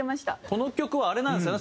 この曲はあれなんですよね。